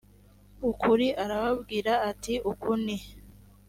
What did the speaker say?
ukuri arababwira ati uku ni